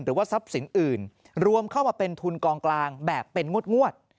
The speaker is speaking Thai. หรือว่าทรัพย์สินอื่นรวมเข้ามาเป็นทุนกองกลางแบบเป็นงวด